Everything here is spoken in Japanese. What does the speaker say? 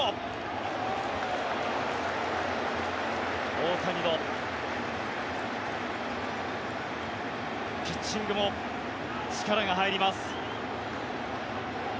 大谷のピッチングも力が入ります。